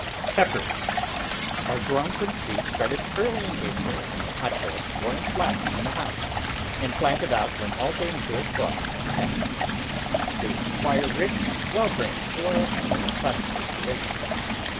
PEPPERS Are grown from seed started early in April in the hotbed or in flats in the house and planted out when all danger of frost is passed. They require rich, well drained soil and a sunny situation.